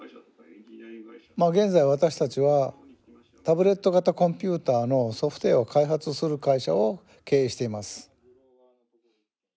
まあ現在私たちはタブレット型コンピューターのソフトウエアを開発する会社を経営しています。